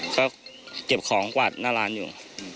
ก็เก็บของกวาดหน้าร้านอยู่